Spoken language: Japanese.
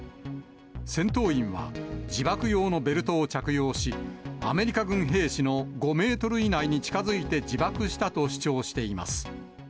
戦闘員は自爆用のベルトを着用し、アメリカ軍兵士の５メートル以内に近づいて自爆したと主張しています。